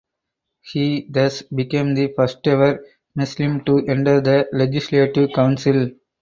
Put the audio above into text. He thus became the first ever Muslim to enter the Legislative Council.